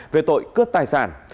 về tội cướp tài sản